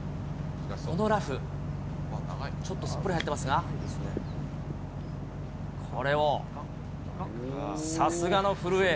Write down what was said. このラフ、ちょっとすっぽり入ってますが、これを、さすがの古江。